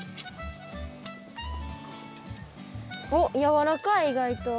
おっやわらかい意外と。